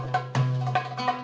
kok ada pang